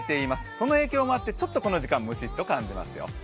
その影響もあって、ちょっとこの時間ムシッと感じますよ。